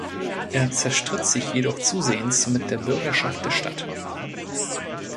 Er zerstritt sich jedoch zusehends mit der Bürgerschaft der Stadt.